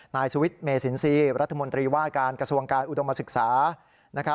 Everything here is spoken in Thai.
นายสุวิทย์เมสินทรีย์รัฐมนตรีว่าการกระทรวงการอุดมศึกษา